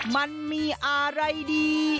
มันมีอะไรดี